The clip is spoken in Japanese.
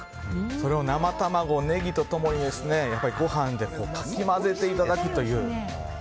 それを生卵、ネギと共にご飯でかき混ぜていただくという。